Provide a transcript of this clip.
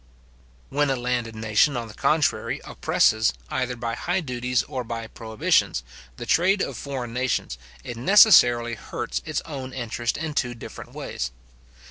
When a landed nation on the contrary, oppresses, either by high duties or by prohibitions, the trade of foreign nations, it necessarily hurts its own interest in two different ways.